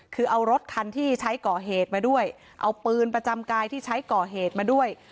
คือเอารถคันที่ใช้ก่อเหตุมาด้วยเอาปืนประจำกายที่ใช้ก่อเหตุมาด้วย